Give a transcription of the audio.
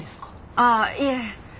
ああいえ。